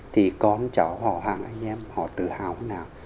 thì con cháu họ hàng anh em họ tự hào thế nào